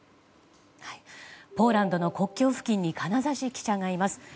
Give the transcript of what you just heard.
ポーランドの国境付近に金指記者がいます。